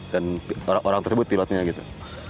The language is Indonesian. dan orang tersebut pilotnya gitu